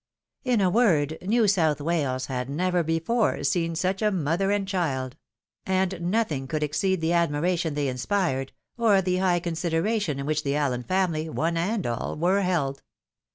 In a word, New South Wales had never before seen such a mother and child; and nothing could exceed the admiration they inspired, or the high consideration in which the AUen family, one and all, were held.